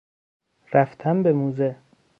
رفتن به موزه